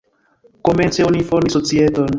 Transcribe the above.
Komence oni fondis societon.